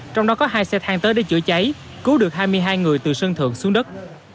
trong đó có hai xe thang tới để chữa cháy cứu được hai mươi hai người từ sơn thượng xuống đất